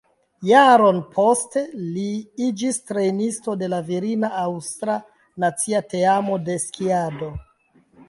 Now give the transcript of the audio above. Jaron poste li iĝis trejnisto de la virina aŭstra nacia teamo de skiado.